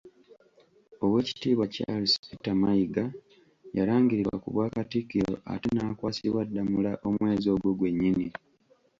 Oweekitiibwa Charles Peter Mayiga yalangirirwa ku Bwakatikkiro ate n'akwasibwa Ddamula omwezi ogwo gwennyini.